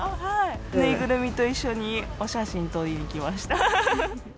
縫いぐるみと一緒にお写真撮りに来ました。